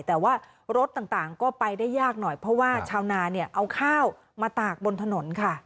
แต่ว่ารถต่างก็ไปได้ยากหน่อยเพราะว่าชาวนาเนี่ยเอาข้าวมาตากบนถนนค่ะ